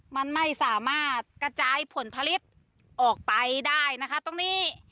มันไม่สามารถกระจายผลผลิตออกไปได้นะคะตรงนี้